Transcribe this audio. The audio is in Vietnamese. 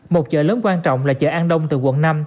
một chợ lớn quan trọng là chợ an đông từ quận năm